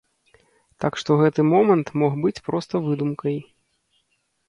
Так што гэты момант мог быць проста выдумкай.